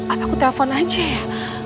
apa aku telepon aja ya